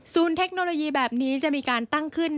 เทคโนโลยีแบบนี้จะมีการตั้งขึ้น